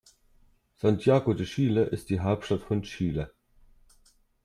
Santiago de Chile ist die Hauptstadt von Chile.